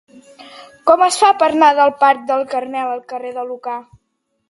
Com es fa per anar del parc del Carmel al carrer de Lucà?